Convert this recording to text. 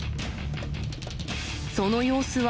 その様子は、